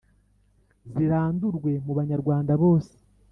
Zirandurwe mu banyarwanda bose